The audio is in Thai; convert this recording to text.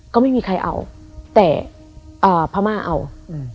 ก็ไม่มีใครเอาแต่อ่าพม่าเอาอืม